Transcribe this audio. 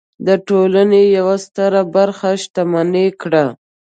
د ټولنې یوه ستره برخه شتمنه کړه.